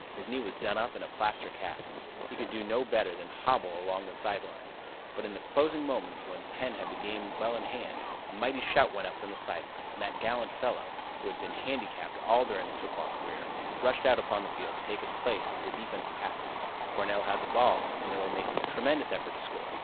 His knee was done up in a plaster cast. He could do nothing better than hobble along the side lines, but in the closing moments when Penn' had the game well in hand, a mighty shout went up from the side lines, as that gallant fellow, who had been handicapped all during his football career, rushed out upon the field to take his place as the defensive halfback. Cornell had the ball, and they were making a tremendous effort to score.